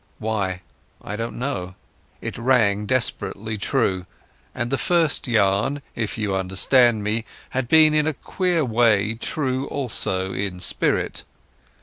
Why, I don't know. It rang desperately true, and the first yarn, if you understand me, had been in a queer way true also in spirit.